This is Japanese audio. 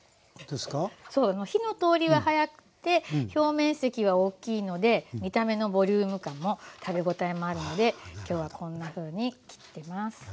火の通りは早くて表面積は大きいので見た目のボリューム感も食べ応えもあるので今日はこんなふうに切ってます。